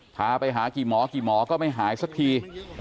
พาไปหากี่หมอกี่หมอก็ไม่หายสักที